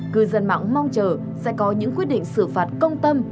cư dân mạng mong chờ sẽ có những quyết định xử phạt công tâm